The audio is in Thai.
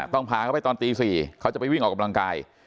พาเขาไปตอนตี๔เขาจะไปวิ่งออกกำลังกาย